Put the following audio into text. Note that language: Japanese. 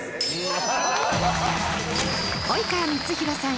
及川光博さん